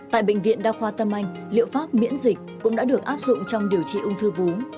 tại bệnh viện đa khoa tâm anh liệu pháp miễn dịch cũng đã được áp dụng trong điều trị ung thư vú